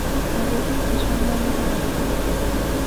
اورېدل د ژوند یو مهارت دی.